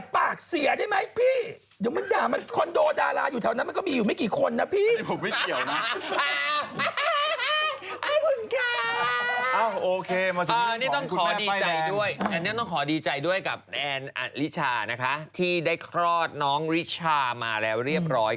พี่ม้ายอย่าปากเสียได้ไหมพี่